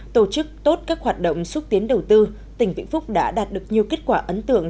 tổ chức tốt các hoạt động xúc tiến đầu tư tỉnh vĩnh phúc đã đạt được nhiều kết quả ấn tượng